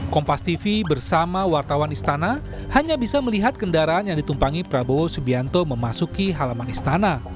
kompas tv bersama wartawan istana hanya bisa melihat kendaraan yang ditumpangi prabowo subianto memasuki halaman istana